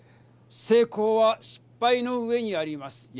成功は失敗の上にあります。